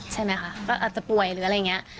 ใช่ไหมคะก็อาจจะป่วยหรืออะไรอย่างนี้